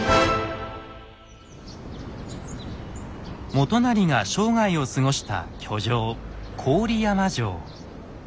元就が生涯を過ごした居城郡山城。